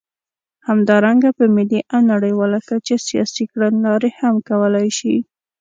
همدارنګه په ملي او نړیواله کچه سیاسي کړنلارې هم کولای شي.